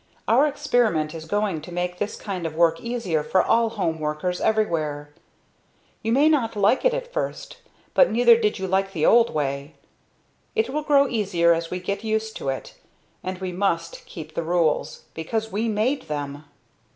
"Our experiment is going to make this kind of work easier for all home workers everywhere. You may not like it at first, but neither did you like the old way. It will grow easier as we get used to it; and we must keep the rules, because we made them!"